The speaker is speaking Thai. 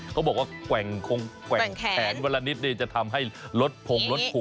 เขาบอกว่าแขนเวลานิดนี่จะทำให้ลดผงลดผุง